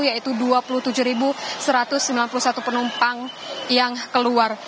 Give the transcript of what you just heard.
yaitu dua puluh tujuh satu ratus sembilan puluh satu penumpang yang keluar